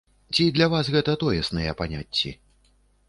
Ці для вас гэта тоесныя паняцці?